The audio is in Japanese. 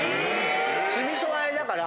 酢みそ和えだから。